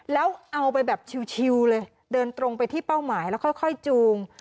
แล้วเอาไปแบบชิวเลยเดินตรงไปที่เป้าหมายแล้วค่อยจูง